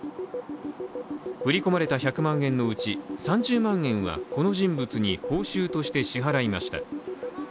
振り込まれた１００万円のうち３０万円はこの人物に報酬として支払いました。